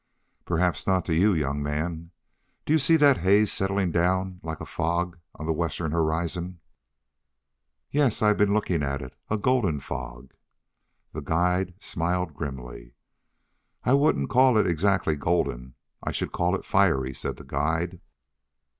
"Perhaps not to you, young man. Do you see that haze settling down like a fog on the western horizon?" "Yes, I've been looking at it a golden fog." The guide smiled grimly. "I wouldn't call it exactly golden. I should call it fiery," said the guide.